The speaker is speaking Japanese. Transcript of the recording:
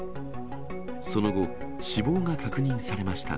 その後、死亡が確認されました。